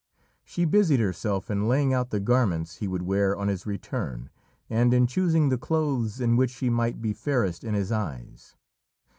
She busied herself in laying out the garments he would wear on his return, and in choosing the clothes in which she might be fairest in his eyes.